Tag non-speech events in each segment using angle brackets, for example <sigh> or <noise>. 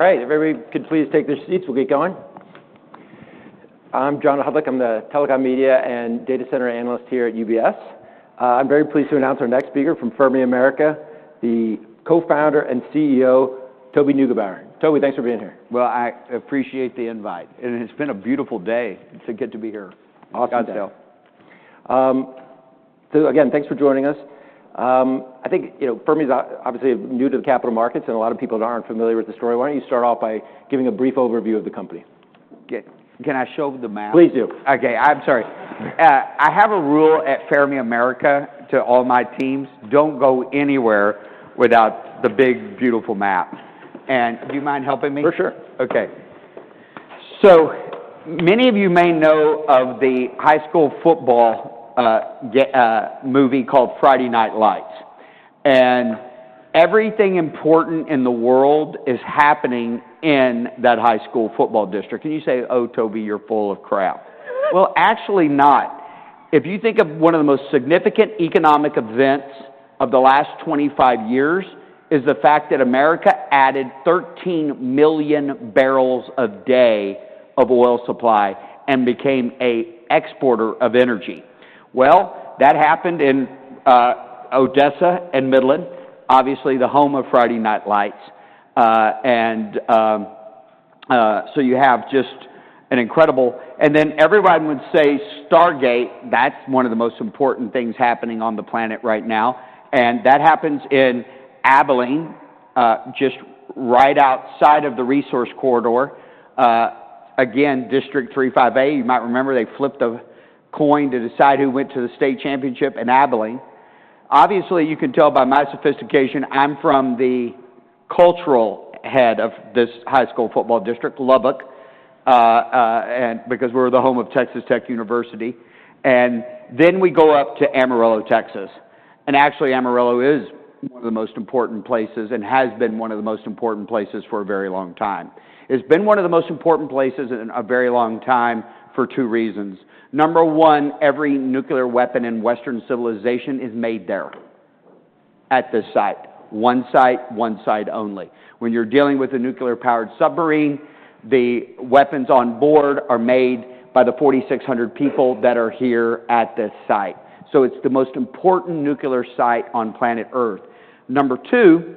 Right. Everybody could please take their seats. We'll get going. I'm John Hodulik. I'm the Telecom Media and Data Center Analyst here at UBS. I'm very pleased to announce our next speaker from Fermi Energy, the co-founder and CEO, Toby Neugebauer. Toby, thanks for being here. I appreciate the invite. It's been a beautiful day. It's good to be here. Awesome. Godzelle. So again, thanks for joining us. I think Fermi is obviously new to the capital markets, and a lot of people aren't familiar with the story. Why don't you start off by giving a brief overview of the company? Can I show the map? Please do. Okay. I'm sorry. I have a rule at Fermi America to all my teams. Don't go anywhere without the big, beautiful map, and do you mind helping me? For sure. OK. So many of you may know of the high school football movie called "Friday Night Lights." And everything important in the world is happening in that high school football district. And you say, oh, Toby, you're full of crap. Well, actually not. If you think of one of the most significant economic events of the last 25 years, it is the fact that America added 13 million barrels a day of oil supply and became an exporter of energy. Well, that happened in Odessa and Midland, obviously the home of "Friday Night Lights." And so you have just an incredible, and then everyone would say, "Stargate." That's one of the most important things happening on the planet right now. And that happens in Abilene, just right outside of the resource corridor. Again, District 35A, you might remember they flipped the coin to decide who went to the state championship in Abilene. Obviously, you can tell by my sophistication, I'm from the cultural head of this high school football district, Lubbock, because we're the home of Texas Tech University. And then we go up to Amarillo, Texas. And actually, Amarillo is one of the most important places and has been one of the most important places for a very long time. It's been one of the most important places in a very long time for two reasons. Number one, every nuclear weapon in Western civilization is made there at this site. One site, one site only. When you're dealing with a nuclear-powered submarine, the weapons on board are made by the 4,600 people that are here at this site. So it's the most important nuclear site on planet Earth. Number two,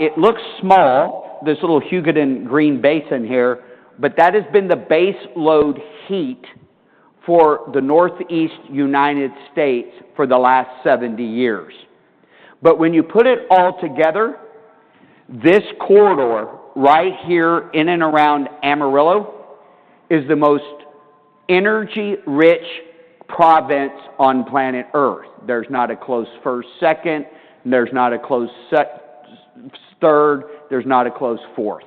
it looks small, this little Hugoton Basin here, but that has been the baseload heat for the Northeast United States for the last 70 years. But when you put it all together, this corridor right here in and around Amarillo is the most energy-rich province on planet Earth. There's not a close first, second. There's not a close third. There's not a close fourth.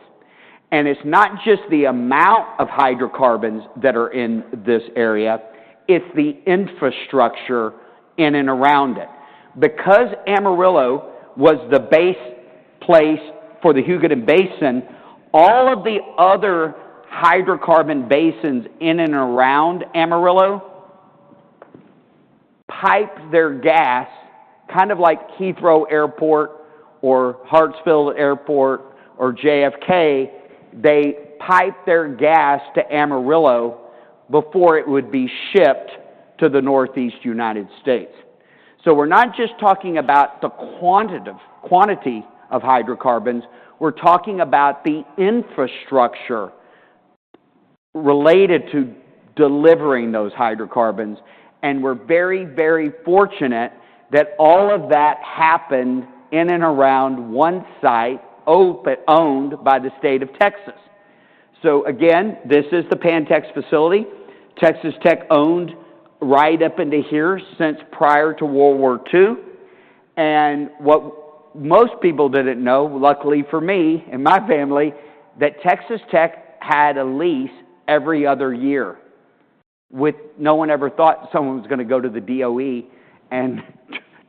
And it's not just the amount of hydrocarbons that are in this area. It's the infrastructure in and around it. Because Amarillo was the base place for the Hugoton Basin, all of the other hydrocarbon basins in and around Amarillo pipe their gas, kind of like Heathrow Airport or Hartsfield Airport or JFK. They pipe their gas to Amarillo before it would be shipped to the Northeast United States. So we're not just talking about the quantity of hydrocarbons. We're talking about the infrastructure related to delivering those hydrocarbons. And we're very, very fortunate that all of that happened in and around one site owned by the state of Texas. So again, this is the Pantex facility. Texas Tech owned right up into here since prior to World War II. And what most people didn't know, luckily for me and my family, that Texas Tech had a lease every other year, with no one ever thought someone was going to go to the DOE and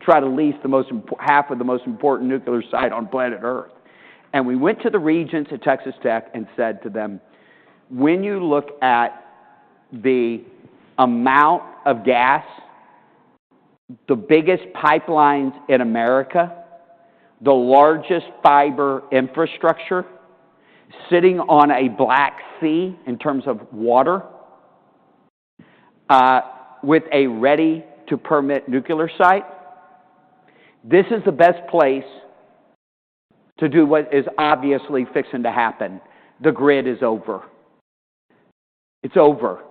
try to lease half of the most important nuclear site on planet Earth. We went to the regents at Texas Tech and said to them, when you look at the amount of gas, the biggest pipelines in America, the largest fiber infrastructure sitting on a Black Sea in terms of water, with a ready-to-permit nuclear site, this is the best place to do what is obviously fixing to happen. The grid is over. It's over.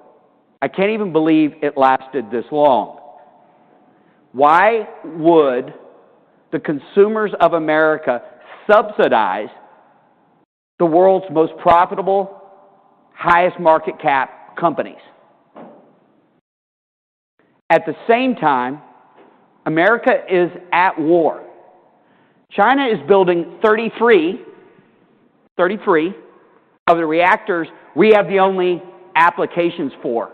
I can't even believe it lasted this long. Why would the consumers of America subsidize the world's most profitable, highest market cap companies? At the same time, America is at war. China is building 33 of the reactors we have the only applications for.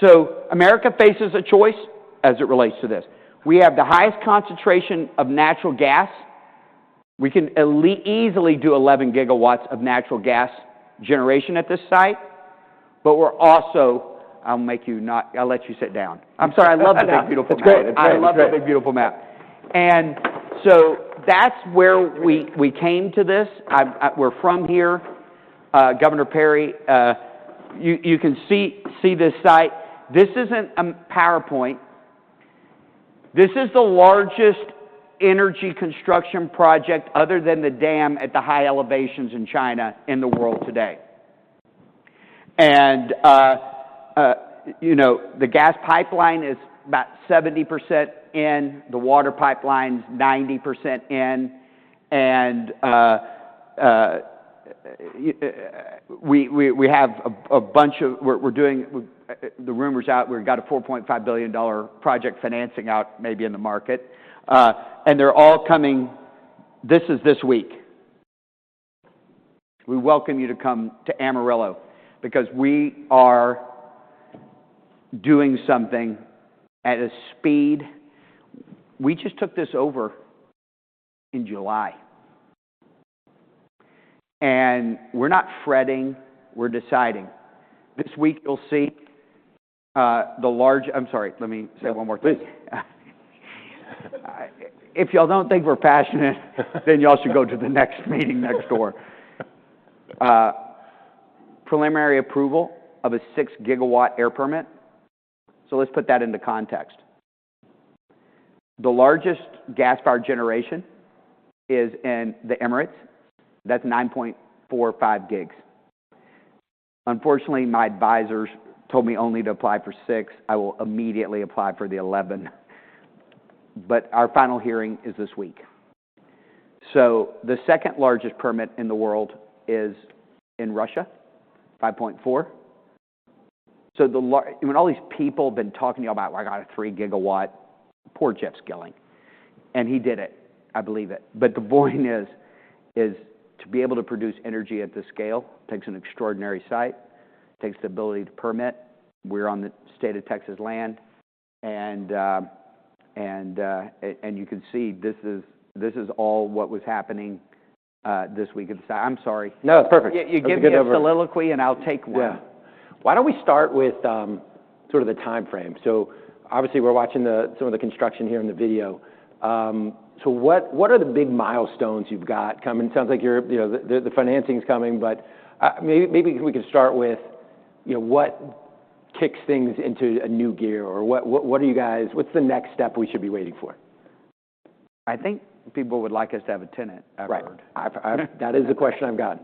So America faces a choice as it relates to this. We have the highest concentration of natural gas. We can easily do 11GW of natural gas generation at this site. But we're also. I'll let you sit down. I'm sorry. I love that big beautiful map. I love that big beautiful map, <crosstalk> and so that's where we came to this. We're from here. Governor Perry, you can see this site. This isn't a PowerPoint. This is the largest energy construction project other than the dam at the high elevations in China in the world today, and the gas pipeline is about 70% in, the water pipeline is 90% in, and we have a bunch of. We're doing the rumors out. We've got a $4.5 billion project financing out maybe in the market, and they're all coming this week. We welcome you to come to Amarillo because we are doing something at a speed, we just took this over in July, and we're not fretting. We're deciding. This week, I'm sorry. Let me say one more thing. Please. If y'all don't think we're passionate, then y'all should go to the next meeting next door. Preliminary approval of a 6-gigawatt air permit. Let's put that into context. The largest gas power generation is in the Emirates. That's 9.45 gigs. Unfortunately, my advisors told me only to apply for six. I will immediately apply for the 11. But our final hearing is this week. The second largest permit in the world is in Russia, 5.4. When all these people have been talking to y'all about, well, I got a 3GW, poor Jeff Skilling. And he did it. I believe it. But the point is, to be able to produce energy at this scale takes an extraordinary site, takes the ability to permit. We're on the state of Texas land. And you can see this is all what was happening this week at the site. I'm sorry. No, that's perfect. You give me a soliloquy and I'll take one. Yeah. Why don't we start with sort of the time frame, so obviously, we're watching some of the construction here in the video, so what are the big milestones you've got coming? It sounds like the financing's coming, but maybe we could start with what kicks things into a new gear, or what are you guys, what's the next step we should be waiting for? I think people would like us to have a tenant afterward. Right. That is the question I've got.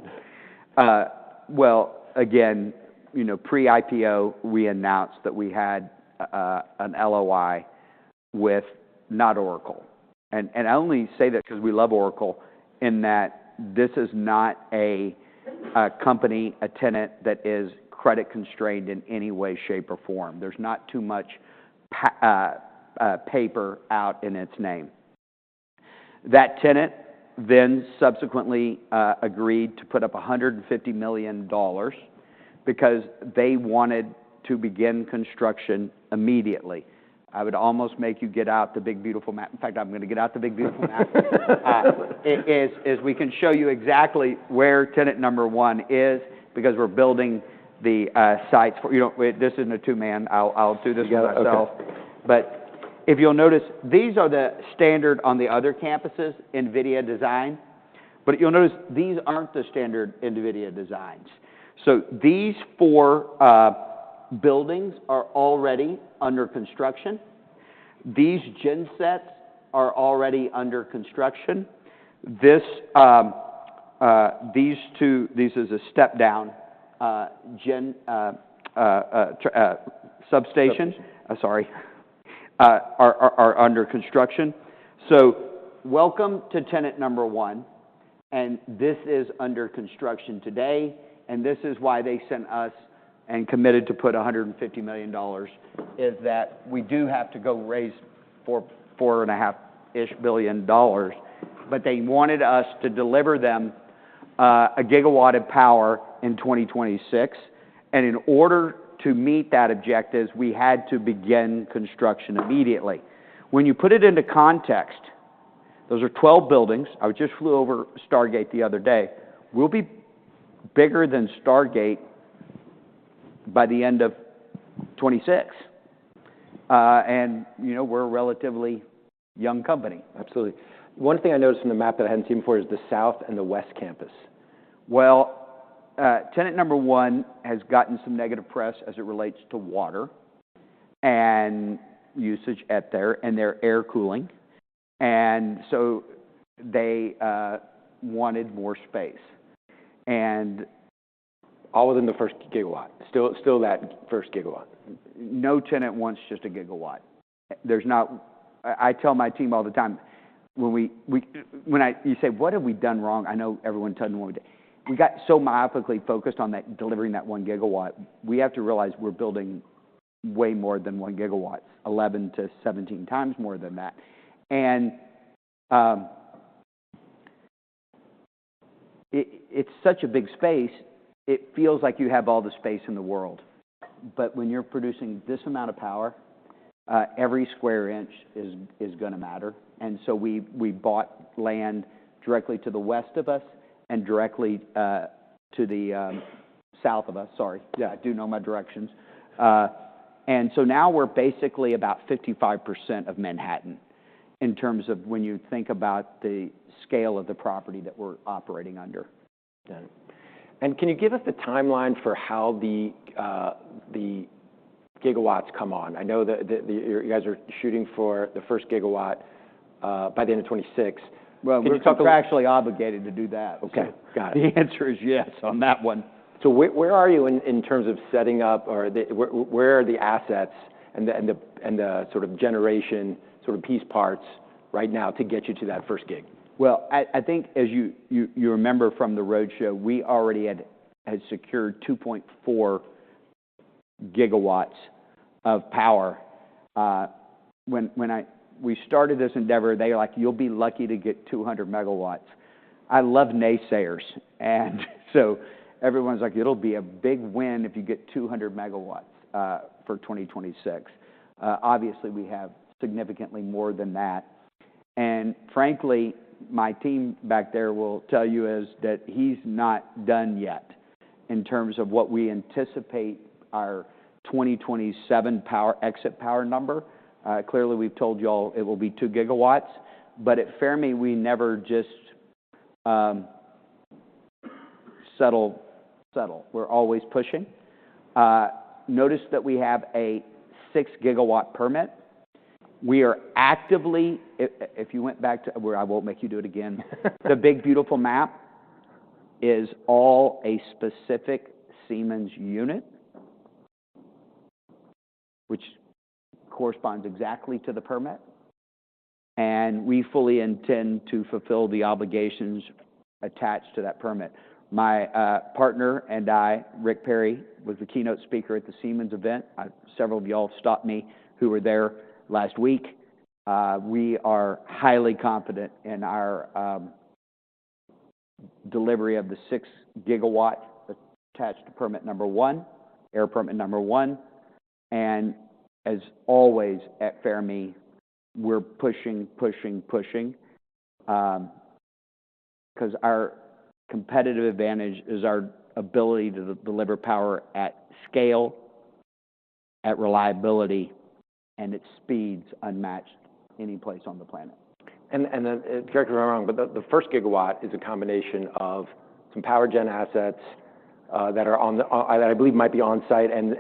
Again, pre-IPO, we announced that we had an LOI with, not Oracle. And I only say that because we love Oracle in that this is not a company, a tenant that is credit-constrained in any way, shape, or form. There's not too much paper out in its name. That tenant then subsequently agreed to put up $150 million because they wanted to begin construction immediately. I would almost make you get out the big, beautiful map. In fact, I'm going to get out the big, beautiful map as we can show you exactly where tenant number one is because we're building the sites for this isn't a two-man. I'll do this by myself. But if you'll notice, these are the standard on the other campuses in NVIDIA design. But you'll notice these aren't the standard in NVIDIA designs. So these four buildings are already under construction. These gensets are already under construction. These are a step-down gen. Substations. Substations are under construction. Sorry. So welcome to tenant number one. And this is under construction today. And this is why they sent us and committed to put $150 million is that we do have to go raise $4.5 billion. But they wanted us to deliver them a gigawatt of power in 2026. And in order to meet that objective, we had to begin construction immediately. When you put it into context, those are 12 buildings. I just flew over Stargate the other day. We'll be bigger than Stargate by the end of 2026. And we're a relatively young company. Absolutely. One thing I noticed in the map that I hadn't seen before is the South and the West campus. Well tenant number one has gotten some negative press as it relates to water and usage there, and their air cooling. And so they wanted more space. All within the first gigawatt, still that first gigawatt. No tenant wants just a gigawatt. I tell my team all the time, when you say, what have we done wrong? I know everyone tells me what we did. We got so myopically focused on delivering that 1GW. We have to realize we're building way more than 1GW, 11-17 times more than that. And it's such a big space. It feels like you have all the space in the world. But when you're producing this amount of power, every square inch is going to matter. And so we bought land directly to the west of us and directly to the south of us. Sorry. I do know my directions. And so now we're basically about 55% of Manhattan in terms of when you think about the scale of the property that we're operating under. Got it. And can you give us the timeline for how the gigawatts come on? I know that you guys are shooting for the first gigawatt by the end of 2026. We're actually obligated to do that. OK. Got it. The answer is yes on that one. So where are you in terms of setting up? Or where are the assets and the sort of generation sort of piece parts right now to get you to that first gig? I think as you remember from the roadshow, we already had secured 2.4GW of power. When we started this endeavor, they were like, you'll be lucky to get 200MW. I love naysayers. So everyone's like, it'll be a big win if you get 200MW for 2026. Obviously, we have significantly more than that. Frankly, my team back there will tell you is that he's not done yet in terms of what we anticipate our 2027 power exit power number. Clearly, we've told y'all it will be 2GW. At Fermi, we never just settle. We're always pushing. Notice that we have a 6GW permit. We are actively, if you went back to where I won't make you do it again. The big, beautiful map is all a specific Siemens unit, which corresponds exactly to the permit. And we fully intend to fulfill the obligations attached to that permit. My partner and I, Rick Perry, was the keynote speaker at the Siemens event. Several of y'all stopped me who were there last week. We are highly confident in our delivery of the 6GW attached permit number one, air permit number one. And as always at Fermi, we're pushing, pushing, pushing because our competitive advantage is our ability to deliver power at scale, at reliability, and at speeds unmatched any place on the planet. And then, correct me if I'm wrong, but the first gigawatt is a combination of some power gen assets that I believe might be on site and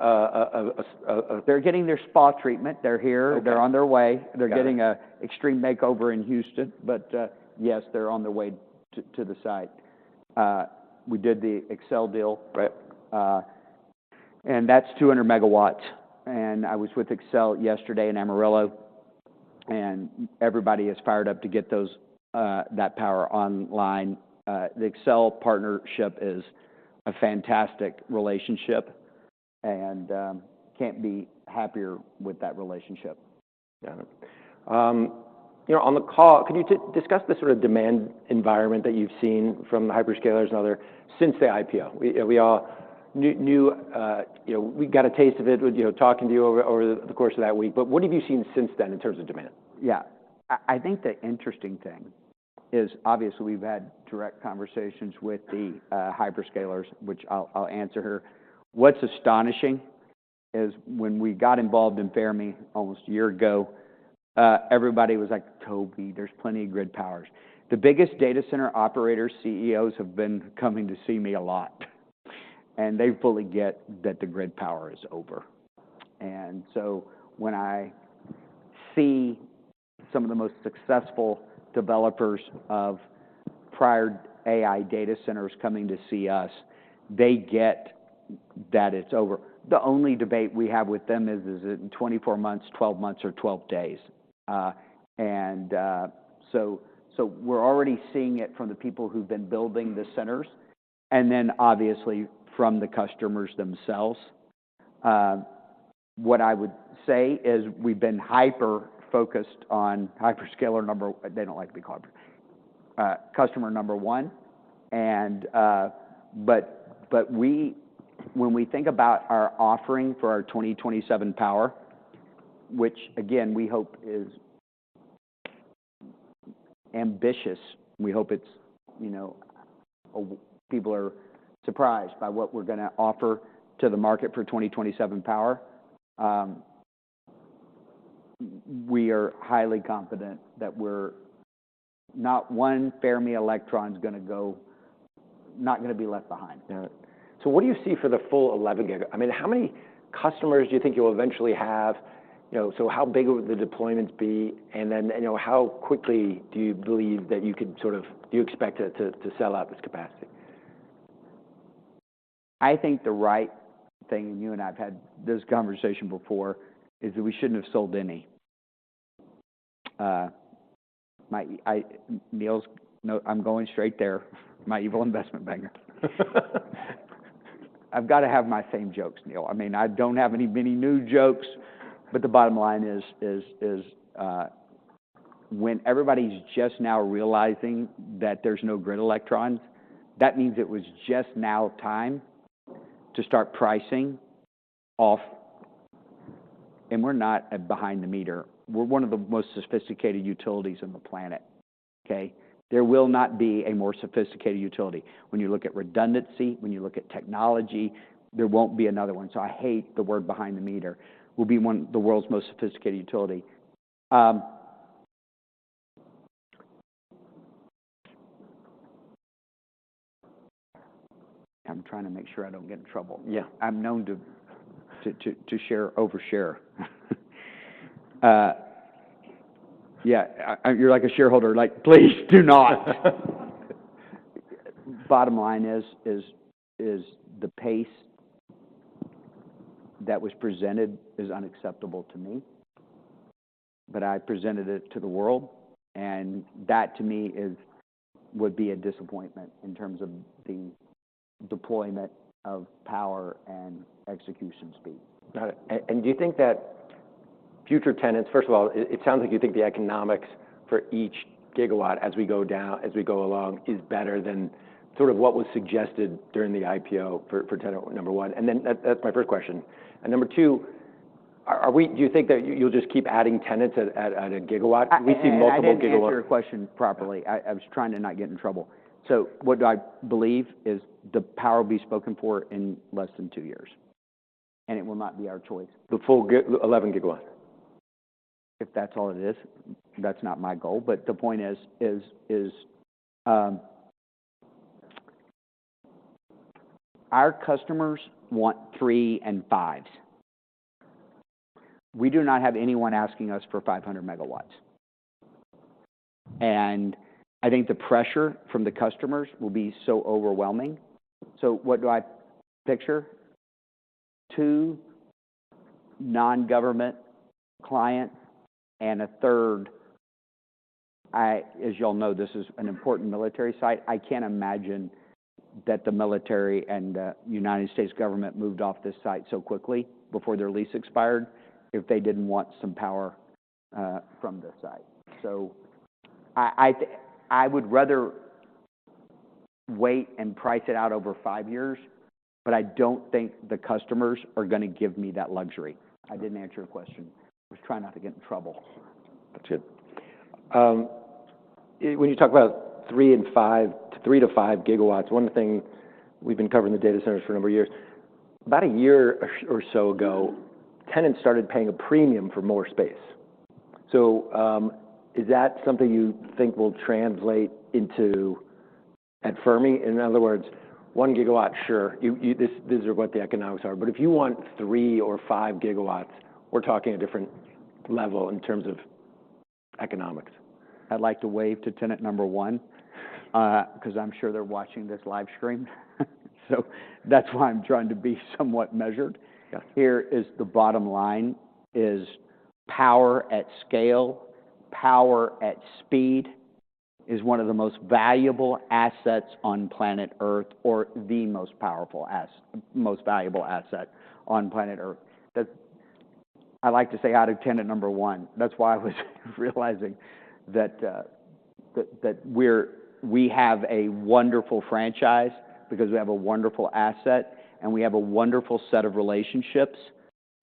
a. They're getting their spa treatment. They're here. Okay They're on their way. They're getting an extreme makeover in Houston. But yes, they're on their way to the site. We did the Xcel deal. Right. That's 200MW. I was with Excel yesterday in Amarillo. Everybody is fired up to get that power online. The Excel partnership is a fantastic relationship. Can't be happier with that relationship. Got it. On the call, could you discuss the sort of demand environment that you've seen from the hyperscalers and other since the IPO? We all knew we got a taste of it talking to you over the course of that week. But what have you seen since then in terms of demand? Yeah. I think the interesting thing is, obviously, we've had direct conversations with the hyperscalers, which I'll answer here. What's astonishing is when we got involved in Fermi almost a year ago, everybody was like, Toby, there's plenty of grid powers. The biggest data center operator CEOs have been coming to see me a lot, and they fully get that the grid power is over, so when I see some of the most successful developers of prior AI data centers coming to see us, they get that it's over. The only debate we have with them is, is it in 24 months, 12 months, or 12 days, and so we're already seeing it from the people who've been building the centers, and then, obviously, from the customers themselves. What I would say is we've been hyper-focused on hyperscaler number one they don't like to be called customer number one. But when we think about our offering for our 2027 power, which, again, we hope is ambitious, we hope people are surprised by what we're going to offer to the market for 2027 power, we are highly confident that not one Fermi electron is going to be left behind. Got it. So what do you see for the full 11GW? I mean, how many customers do you think you'll eventually have? So how big will the deployments be? And then how quickly do you believe that you could sort of do you expect to sell out this capacity? I think the right thing, and you and I have had this conversation before, is that we shouldn't have sold any. Neil, I'm going straight there, my evil investment banker. I've got to have my same jokes, Neil. I mean, I don't have many new jokes. But the bottom line is, when everybody's just now realizing that there's no grid electrons, that means it was just now time to start pricing off. We're not behind the meter. We're one of the most sophisticated utilities on the planet. OK? There will not be a more sophisticated utility. When you look at redundancy, when you look at technology, there won't be another one. I hate the word behind the meter. We'll be one of the world's most sophisticated utility. I'm trying to make sure I don't get in trouble. Yeah. I'm known to overshare. Yeah. You're like a shareholder. Like, please do not. Bottom line is the pace that was presented is unacceptable to me. But I presented it to the world. And that, to me, would be a disappointment in terms of the deployment of power and execution speed. Got it. And do you think that future tenants, first of all, it sounds like you think the economics for each gigawatt as we go along is better than sort of what was suggested during the IPO for tenant number one? And then that's my first question. And number two, do you think that you'll just keep adding tenants at a gigawatt? [ cross talks] I didn't answer your question properly. I was trying to not get in trouble. So what I believe is the power will be spoken for in less than two years. And it will not be our choice. The full 11GW. If that's all it is, that's not my goal, but the point is, our customers want 3 and 5s. We do not have anyone asking us for 500 megawatts, and I think the pressure from the customers will be so overwhelming, so what do I picture? Two non-government clients and a third, as y'all know, this is an important military site, I can't imagine that the military and the United States government moved off this site so quickly before their lease expired if they didn't want some power from this site, so I would rather wait and price it out over five years, but I don't think the customers are going to give me that luxury. I didn't answer your question. I was trying not to get in trouble. That's good. When you talk about 3 and 5, 3 - 5 GW, one thing we've been covering the data centers for a number of years, about a year or so ago, tenants started paying a premium for more space. So is that something you think will translate into at Fermi? In other words, 1GW, sure. These are what the economics are. But if you want 3 or 5GW, we're talking a different level in terms of economics. I'd like to wave to tenant number one because I'm sure they're watching this live stream. So that's why I'm trying to be somewhat measured. Here is the bottom line: power at scale, power at speed is one of the most valuable assets on planet Earth, or the most powerful, most valuable asset on planet Earth. I like to say out of tenant number one. That's why I was realizing that we have a wonderful franchise because we have a wonderful asset. And we have a wonderful set of relationships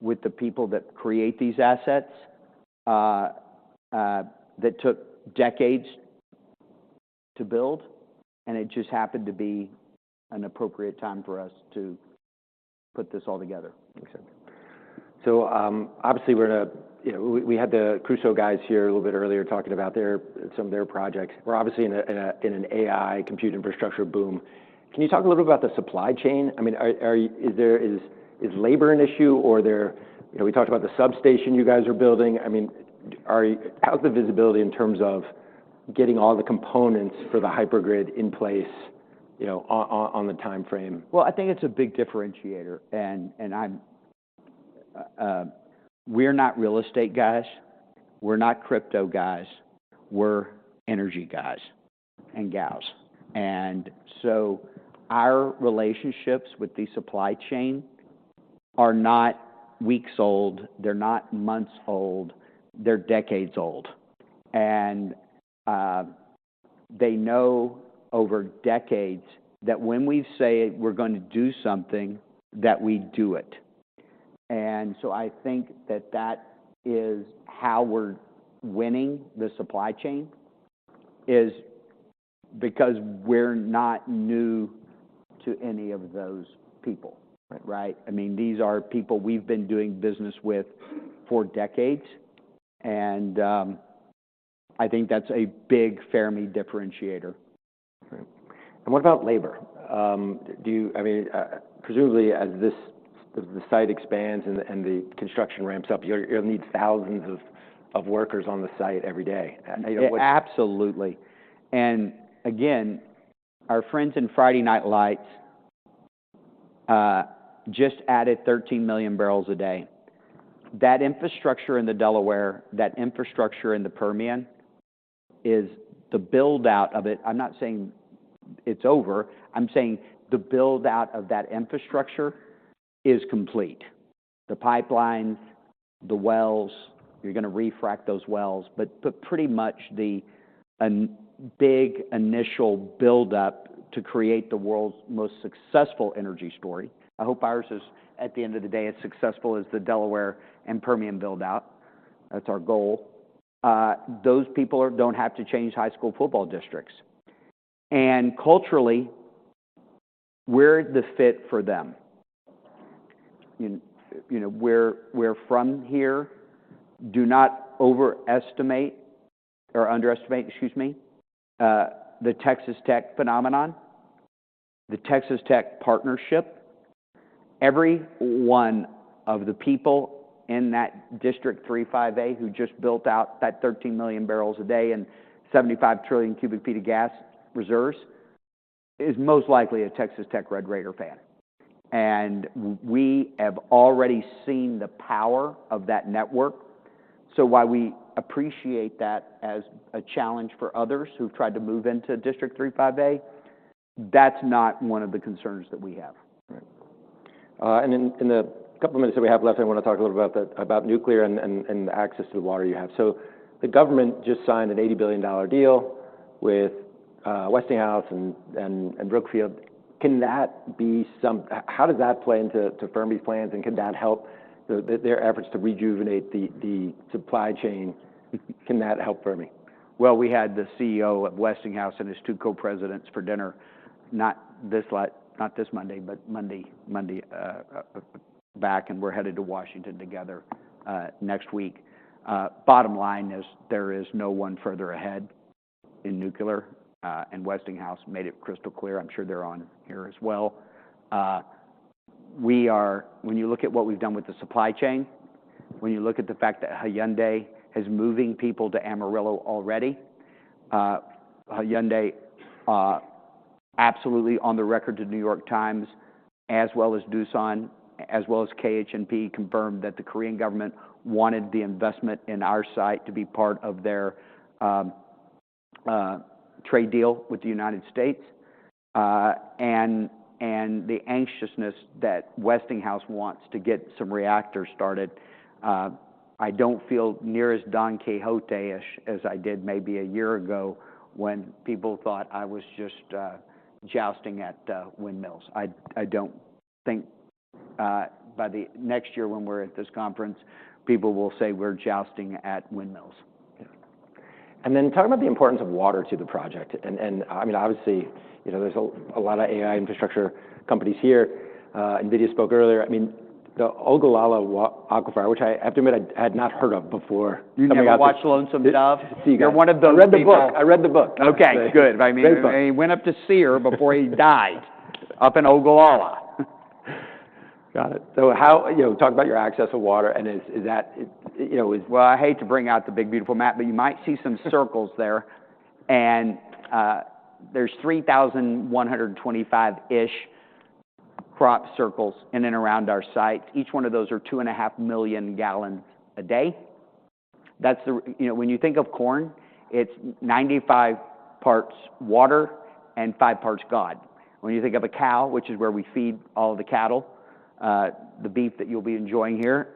with the people that create these assets that took decades to build. And it just happened to be an appropriate time for us to put this all together. Excellent. So obviously, we had the CRUCIO guys here a little bit earlier talking about some of their projects. We're obviously in an AI compute infrastructure boom. Can you talk a little bit about the supply chain? I mean, is labor an issue? Or we talked about the substation you guys are building. I mean, how's the visibility in terms of getting all the components for the hypergrid in place on the time frame? I think it's a big differentiator. And we're not real estate guys. We're not crypto guys. We're energy guys and girls. And so our relationships with the supply chain are not weeks old. They're not months old. They're decades old. And they know over decades that when we say we're going to do something, that we do it. And so I think that that is how we're winning the supply chain is because we're not new to any of those people. Right? I mean, these are people we've been doing business with for decades. And I think that's a big Fermi differentiator. Right. And what about labor? I mean, presumably, as the site expands and the construction ramps up, you'll need thousands of workers on the site every day. Absolutely. And again, our friends in Friday Night Lights just added 13 million barrels a day. That infrastructure in the Delaware, that infrastructure in the Permian, is the build-out of it. I'm not saying it's over. I'm saying the build-out of that infrastructure is complete. The pipelines, the wells, you're going to refrac those wells. But pretty much the big initial build-up to create the world's most successful energy story. I hope ours is, at the end of the day, as successful as the Delaware and Permian build-out. That's our goal. Those people don't have to change high school football districts. And culturally, we're the fit for them. We're from here. Do not overestimate or underestimate, excuse me, the Texas Tech phenomenon, the Texas Tech partnership. Every one of the people in that District 35A who just built out that 13 million barrels a day and 75 trillion cu ft of gas reserves is most likely a Texas Tech Red Raider fan. And we have already seen the power of that network. So while we appreciate that as a challenge for others who've tried to move into District 35A, that's not one of the concerns that we have. Right. And in the couple of minutes that we have left, I want to talk a little bit about nuclear and the access to the water you have. So the government just signed an $80 billion deal with Westinghouse and Brookfield. Can that be? Somehow, does that play into Fermi's plans? And can that help their efforts to rejuvenate the supply chain? Can that help Fermi? We had the CEO of Westinghouse and his two co-presidents for dinner, not this Monday, but Monday back. We're headed to Washington together next week. Bottom line is there is no one further ahead in nuclear. Westinghouse made it crystal clear. I'm sure they're on here as well. When you look at what we've done with the supply chain, when you look at the fact that Hyundai is moving people to Amarillo already, Hyundai, absolutely on the record to New York Times, as well as Doosan, as well as KHNP, confirmed that the Korean government wanted the investment in our site to be part of their trade deal with the United States. The anxiousness that Westinghouse wants to get some reactors started. I don't feel near as Don Quixote-ish as I did maybe a year ago when people thought I was just jousting at windmills. I don't think by the next year when we're at this conference, people will say we're jousting at windmills. Then talk about the importance of water to the project. I mean, obviously, there's a lot of AI infrastructure companies here. NVIDIA spoke earlier. I mean, the Ogallala Aquifer, which I have to admit I had not heard of before. You never watched Lonesome Dove? You're one of those people. I read the book. OK, good. I mean, he went up to see her before he died up in Ogallala. Got it. So talk about your access to water. And is that, well, I hate to bring out the big beautiful map, but you might see some circles there, and there's 3,125-ish crop circles in and around our site. Each one of those are 2 and 1/2 million gallons a day. When you think of corn, it's 95 parts water and 5 parts God. When you think of a cow, which is where we feed all the cattle, the beef that you'll be enjoying here,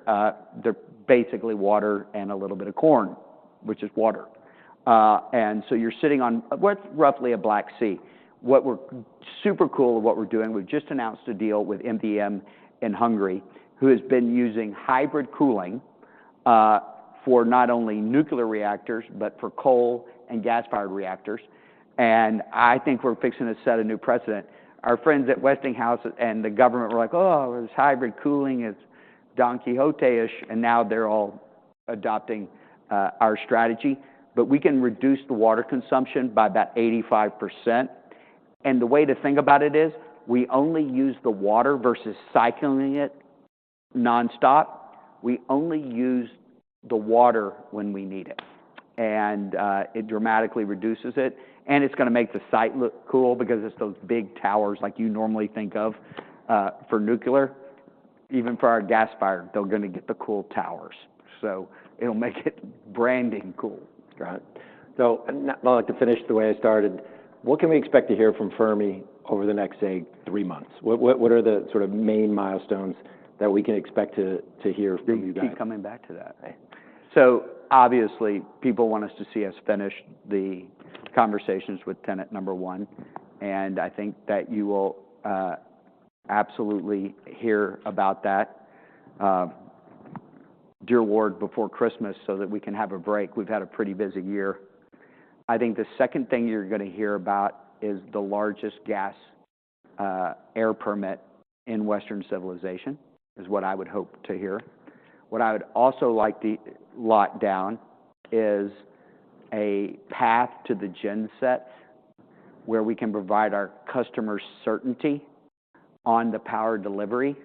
they're basically water and a little bit of corn, which is water, and so you're sitting on what's roughly a Black Sea. What we're super cool at what we're doing, we've just announced a deal with MDM in Hungary, who has been using hybrid cooling for not only nuclear reactors, but for coal and gas-powered reactors. And I think we're fixing to set a new precedent. Our friends at Westinghouse and the government were like, oh, this hybrid cooling is Don Quixote-ish. And now they're all adopting our strategy. But we can reduce the water consumption by about 85%. And the way to think about it is we only use the water versus cycling it nonstop. We only use the water when we need it. And it dramatically reduces it. And it's going to make the site look cool because it's those big towers like you normally think of for nuclear. Even for our gas fire, they're going to get the cool towers. So it'll make it branding cool. Got it. So I'd like to finish the way I started. What can we expect to hear from Fermi over the next, say, three months? What are the sort of main milestones that we can expect to hear from you guys? Keep coming back to that. Obviously, people want to see us finish the conversations with tenant number one. I think that you will absolutely hear about that, dear Ward, before Christmas so that we can have a break. We've had a pretty busy year. I think the second thing you're going to hear about is the largest gas air permit in Western civilization. That is what I would hope to hear. What I would also like to lock down is a path to the gen set where we can provide our customers certainty on the power delivery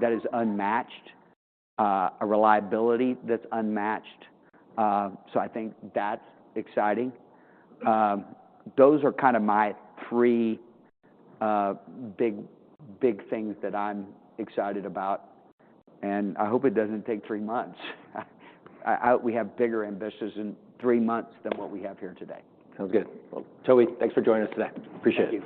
that is unmatched, a reliability that's unmatched. I think that's exciting. Those are kind of my three big things that I'm excited about. I hope it doesn't take three months. We have bigger ambitions in three months than what we have here today. Sounds good. Toby, thanks for joining us today. Appreciate it.